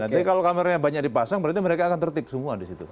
nanti kalau kameranya banyak dipasang berarti mereka akan tertip semua di situ